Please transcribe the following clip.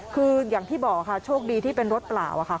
คืออย่างที่บอกค่ะโชคดีที่เป็นรถเปล่าค่ะ